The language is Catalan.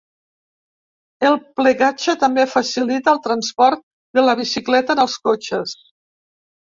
El plegatge també facilita el transport de la bicicleta en els cotxes.